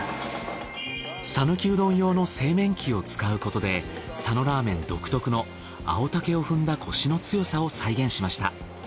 讃岐うどん用の製麺機を使うことで佐野ラーメン独特の青竹を踏んだコシの強さを再現しました。